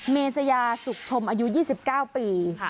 เมษยาสุขชมอายุ๒๙ปี